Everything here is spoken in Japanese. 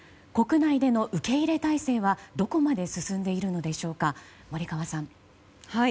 国内での受け入れ態勢はどこまで進んでいるのでしょうか森川さん。